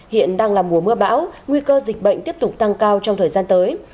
hiện đang là mùa mưa bão nguy cơ dịch bệnh tiếp tục tăng cao trong thời gian tới